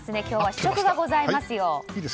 今日は試食がございますよ。